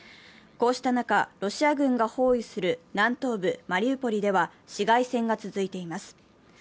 こうした中、ロシア軍が包囲する南東部マリウポリでは市街戦が続いています。